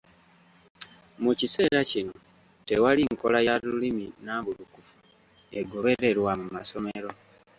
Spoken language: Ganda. Mu kiseera kino tewali nkola ya lulimi nnambulukufu egobererwa mu masomero.